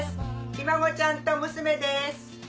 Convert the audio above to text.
ひ孫ちゃんと娘です。